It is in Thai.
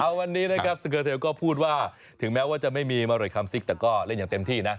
วันนี้นะครับสเกอร์เทลก็พูดว่าถึงแม้ว่าจะไม่มีมาริดคำซิกแต่ก็เล่นอย่างเต็มที่นะ